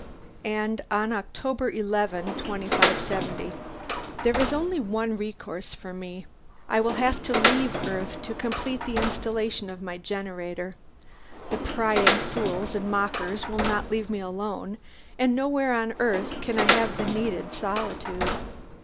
And on October 11, 2570: "There is only one recourse for me. I will have to leave Earth to complete the installation of my generator. The prying fools and mockers will not leave me alone, and nowhere on Earth can I have the needed solitude.